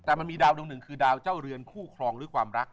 แต่มันมีดาวดวงหนึ่งคือดาวเจ้าเรือนคู่ครองหรือความรัก